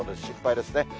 心配ですね。